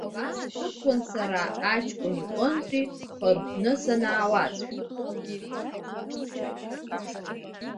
Абас схәыцуан сара аҷкәын иҟнытә схынҳәны санаауаз.